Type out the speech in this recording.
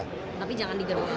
tapi jangan digerukkan